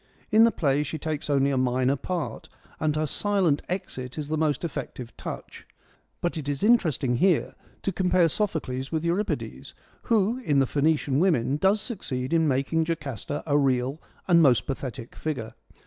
In the play she takes only a minor part, and her silent exit is the most effective touch ; but it is interesting here to compare Sophocles with Euripides, who in the Phoenician Women does succeed in making Jocasta a real and most pathethic figure.